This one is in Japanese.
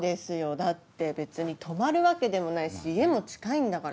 だって別に泊まるわけでもないし家も近いんだから。